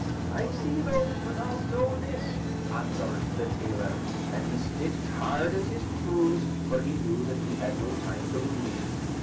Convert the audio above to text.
"I see those, but I'll sew this!" answered the tailor; and he stitched hard at his trews, for he knew that he had no time to lose.